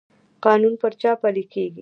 قانون پر چا پلی کیږي؟